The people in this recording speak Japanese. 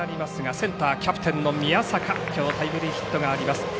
センターはキャプテンの宮坂きょうタイムリーヒットがあります。